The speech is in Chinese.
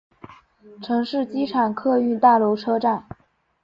城市机场客运大楼车站。